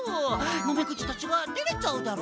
ナメクジたちはてれちゃうだろ？